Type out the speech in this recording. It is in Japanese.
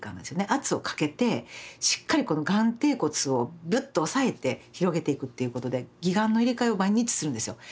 圧をかけてしっかりこの眼底骨をぐっと押さえて広げていくっていうことで義眼の入れ替えを毎日するんですよ。